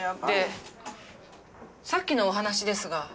でさっきのお話ですが。